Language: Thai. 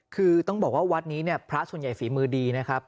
คือต้องบอกว่าวัดนี้เนี่ยพระส่วนใหญ่ฝีมือดีนะครับ